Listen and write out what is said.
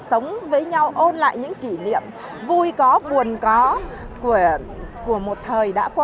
sống với nhau ôn lại những kỷ niệm vui có buồn có